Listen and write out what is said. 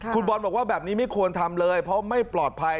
คุณบอลบอกว่าแบบนี้ไม่ควรทำเลยเพราะไม่ปลอดภัย